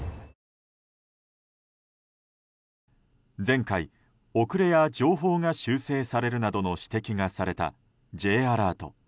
前回、遅れや情報が修正されるなどの指摘がされたＪアラート。